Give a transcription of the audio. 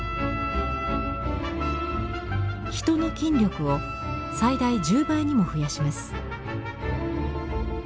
人の筋力を最大１０倍にも増やします。